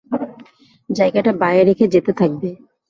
জায়গাটা বায়ে রেখে যেতে থাকবে।